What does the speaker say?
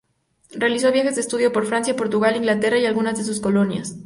Realizó viajes de estudio por Francia, Portugal, Inglaterra y algunas de sus colonias.